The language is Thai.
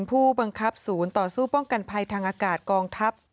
ผู้บังคับศูนย์ต่อสู้ป้องกันภัยทางอากาศกองทัพ